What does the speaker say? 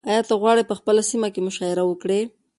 ایا ته غواړې په خپله سیمه کې مشاعره وکړې؟